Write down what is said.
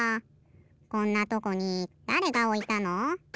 こんなとこにだれがおいたの？